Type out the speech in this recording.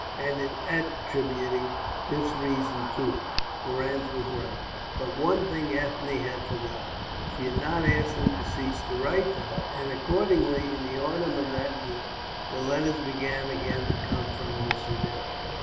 And in attributing this reason to her, Durrance was right. But one thing Ethne had forgotten. She had not asked him to cease to write to her, and accordingly in the autumn of that year the letters began again to come from the Soudan.